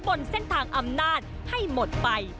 บนเส้นทางอำนาจให้หมดไป